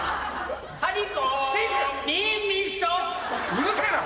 うるせえな。